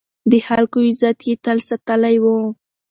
د خلکو عزت يې تل ساتلی و.